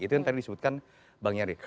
itu yang tadi disebutkan bang nyari